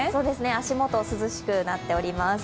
足元、涼しくなっております。